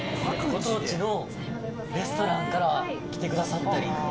ご当地のレストランから来てくださったり。